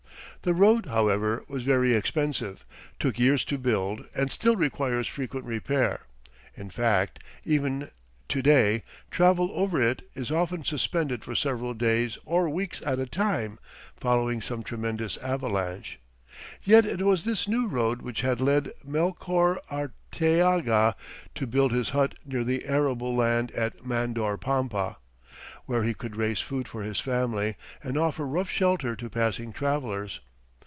The road, however, was very expensive, took years to build, and still requires frequent repair. In fact, even to day travel over it is often suspended for several days or weeks at a time, following some tremendous avalanche. Yet it was this new road which had led Melchor Arteaga to build his hut near the arable land at Mandor Pampa, where he could raise food for his family and offer rough shelter to passing travelers.